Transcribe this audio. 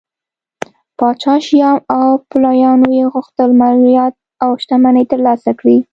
پاچا شیام او پلویانو یې غوښتل مالیات او شتمنۍ ترلاسه کړي